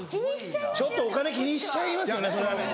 ちょっとお金気にしちゃいますよね。